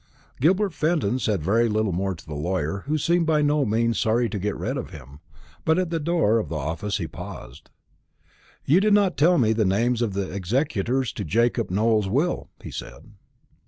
Gilbert Fenton said very little more to the lawyer, who seemed by no means sorry to get rid of him. But at the door of the office he paused. "You did not tell me the names of the executors to Jacob Nowell's will," he said.